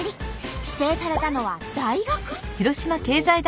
指定されたのは大学？